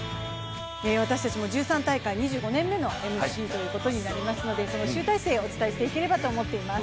私たちも１３大会、２５年目のＭＣということになりますのでその集大成をお伝えしていければと思っています。